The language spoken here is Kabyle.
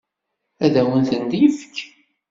Ad awen-ten-yefk?